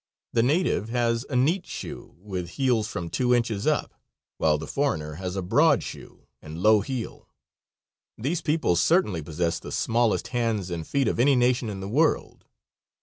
The native has a neat shoe, with heels from two inches up, while the foreigner has a broad shoe and low heel. These people certainly possess the smallest hands and feet of any nation in the world.